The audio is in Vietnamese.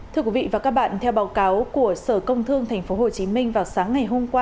thưa quý vị và các bạn theo báo cáo của sở công thương tp hcm vào sáng ngày hôm qua